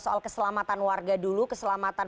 soal keselamatan warga dulu keselamatan